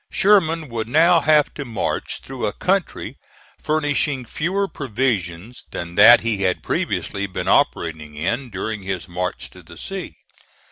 Sherman would now have to march through a country furnishing fewer provisions than that he had previously been operating in during his march to the sea.